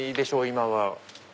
今は。